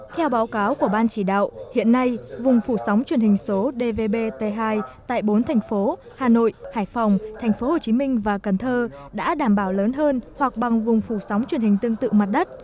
theo báo cáo của ban chỉ đạo hiện nay vùng phủ sóng truyền hình số dvbt hai tại bốn thành phố hà nội hải phòng tp hcm và cần thơ đã đảm bảo lớn hơn hoặc bằng vùng phủ sóng truyền hình tương tự mặt đất